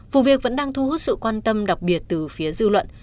vụ việc vẫn đang thu hút sự quan tâm đặc biệt từ phía dư luận